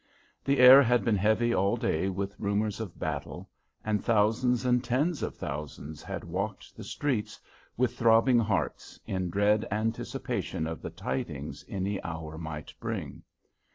The air had been heavy all day with rumors of battle, and thousands and tens of thousands had walked the streets with throbbing hearts, in dread anticipation of the tidings any hour might bring.